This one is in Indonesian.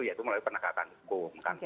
yaitu melalui penegakan hukum